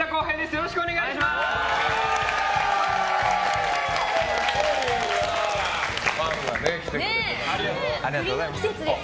よろしくお願いします。